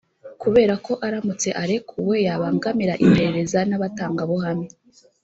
kubera ko aramutse arekuwe yabangamira iperereza n’abatangabuhamya